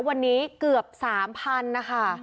วันนี้เกือบ๓๐๐๐นะคะ